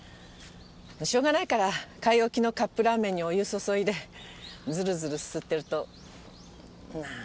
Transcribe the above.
しょうがないから買い置きのカップラーメンにお湯を注いでズルズルすすってるとなぁんかね。